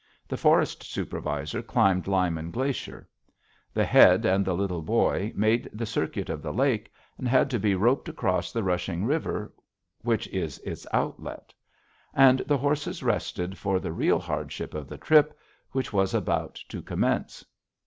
The Forest Supervisor climbed Lyman Glacier. The Head and the Little Boy made the circuit of the lake, and had to be roped across the rushing river which is its outlet. And the horses rested for the real hardship of the trip, which was about to commence.